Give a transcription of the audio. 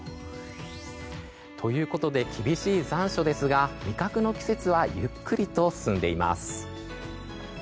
ということで厳しい残暑ですが味覚の季節はゆっくりと進んでいます。